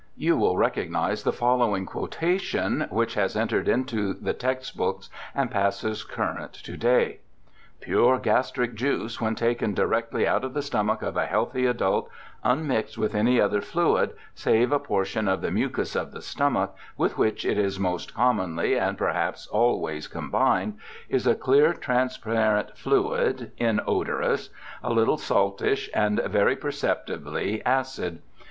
You will all recognize the following quota tion, which has entered into the textbooks and passes current to day :' Pure gastric juice, when taken directly out of the stomach of a healthy adult, unmixed with any other fluid, save a portion of the mucus of the stomach with which it is most commonly and perhaps always com bined, is a clear, transparent fluid ; inodorous ; a little saltish, and very perceptibly acid.